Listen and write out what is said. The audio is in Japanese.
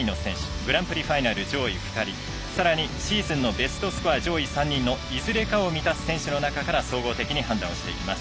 グランプリファイナル上位２人さらにシーズンのベストスコア上位３人のいずれかを満たす選手から判断していきます。